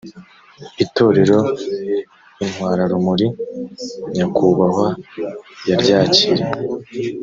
itorero intwararumuri nyakubahwa yaryakiriye